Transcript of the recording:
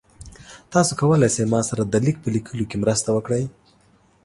تاسو کولی شئ ما سره د لیک په لیکلو کې مرسته وکړئ؟